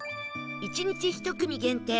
１日１組限定